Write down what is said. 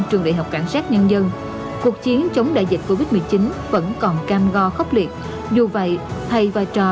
trường đhcn cuộc chiến chống đại dịch covid một mươi chín vẫn còn cam go khốc liệt dù vậy thay vai trò